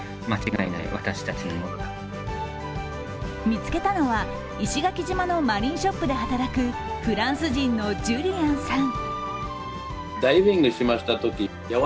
見つけたのは石垣島のマリンショップで働くフランス人のジュリアンさん。